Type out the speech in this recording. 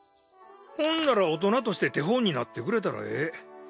ほんなら大人として手本になってくれたらええ。